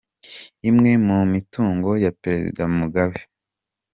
Imwe mu mitungo ya perezida Mugabe